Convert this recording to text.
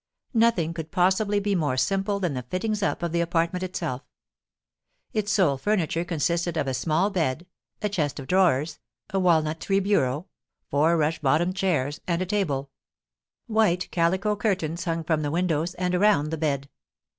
Nothing could possibly be more simple than the fittings up of the apartment itself. Its sole furniture consisted of a small bed, a chest of drawers, a walnut tree bureau, four rush bottomed chairs, and a table; white calico curtains hung from the windows and around the bed.